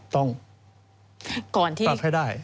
ต้องปรับให้ได้